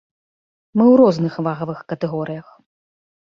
Мы ў розных вагавых катэгорыях.